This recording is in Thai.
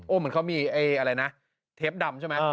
เหมือนเขามีอะไรนะเทปดำใช่ไหม